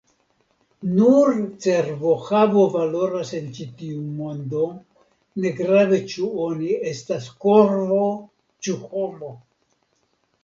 Nur cerbohavo valoras en ĉi tiu mondo, negrave ĉu oni estas korvo ĉu homo.